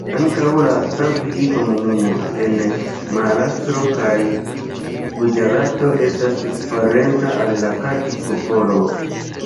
Ankaŭ la Savji-komunumo en Maharaŝtro kaj Guĝarato estas parenca al la Kati-popolo.